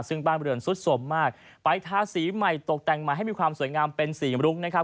ซึ่งบ้านบริเวณสุดสมมากไปทาสีใหม่ตกแต่งใหม่ให้มีความสวยงามเป็นสีมรุกนะครับ